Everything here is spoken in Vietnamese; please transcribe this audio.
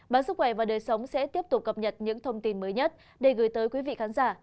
báo sức khỏe và đời sống sẽ tiếp tục cập nhật những thông tin mới nhất để gửi tới quý vị khán giả